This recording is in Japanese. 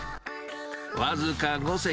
僅か５席。